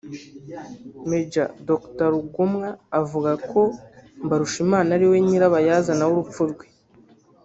Maj Dr Rugomwa avuga ko Mbarushimana ari we nyirabayazana w’urupfu rwe